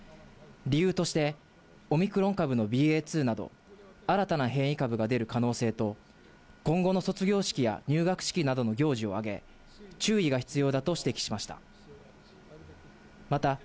理由として、オミクロン株のＢＡ．２など、新たな変異株が出る可能性と、今後の卒業式や入学式などの行事を挙げ、注意が必要だと指摘しました。